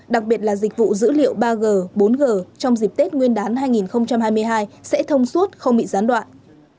đặc biệt là dịch vụ dữ liệu ba g bốn g trong dịp tết nguyên đán hai nghìn hai mươi hai sẽ thông suốt không bị gián đoạn